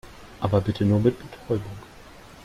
Aber bitte nur mit Betäubung.